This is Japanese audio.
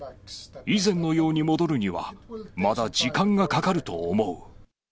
以前のように戻るには、まだ時間がかかると思う。